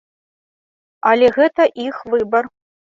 Але гэта іх выбар.